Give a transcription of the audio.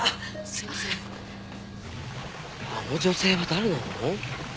あの女性は誰なの？